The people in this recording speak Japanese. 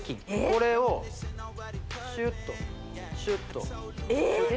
これをシュッとシュッとえっ？